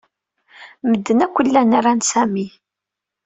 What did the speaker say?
Medden akk llan ran Sami.